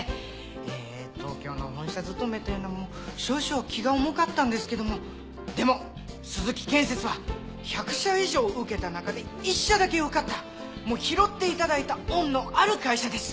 え東京の本社勤めというのも少々気が重かったんですけどもでも鈴木建設は１００社以上受けたなかで１社だけ受かったもう拾っていただいた恩のある会社です！